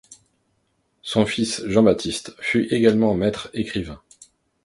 Son fils Jean-Baptiste fut également maître écrivain.